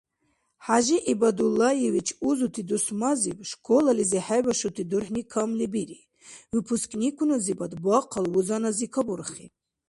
ХӀяжи ГӀибадуллаевич узути дусмазиб школализи хӀебашути дурхӀни камли бири, выпускникуназибад бахъал вузанази кабурхи.